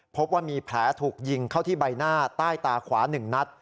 พบว่ามีแผลถูกยิงเข้าที่ใบหน้าใต้ตาขวา๑นัด